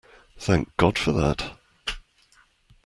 Thank God for that!